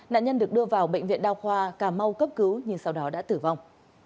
nạn nhân được đưa vào bệnh viện đa khoa cà mau cấp cứu nhưng sau đó đã tử vong